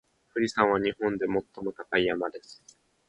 富士山は日本で最も高い山です。